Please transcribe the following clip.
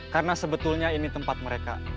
karena sebetulnya ini tempat mereka